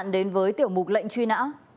đến với tiểu mục lệnh truy nã